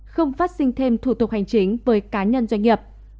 không phát sinh thêm thủ tục hành chính với cá nhân doanh nghiệp